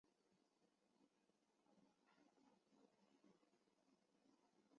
然而哈里发易卜拉欣不被承认。